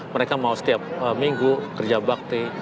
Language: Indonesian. mereka mau setiap minggu kerja bakti